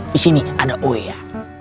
di sini ada oe ya